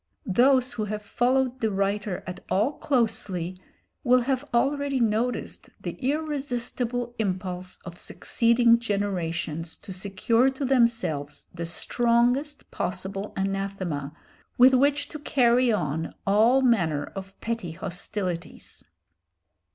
Those who have followed the writer at all closely will have already noticed the irresistible impulse of succeeding generations to secure to themselves the strongest possible anathema with which to carry on all manner of petty hostilities.